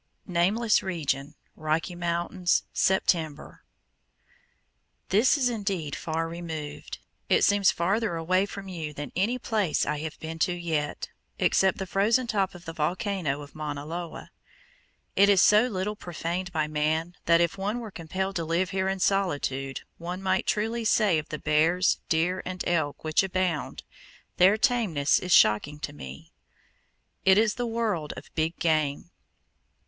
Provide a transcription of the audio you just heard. NAMELESS REGION, ROCKY MOUNTAINS, September. This is indeed far removed. It seems farther away from you than any place I have been to yet, except the frozen top of the volcano of Mauna Loa. It is so little profaned by man that if one were compelled to live here in solitude one might truly say of the bears, deer, and elk which abound, "Their tameness is shocking to me." It is the world of "big game."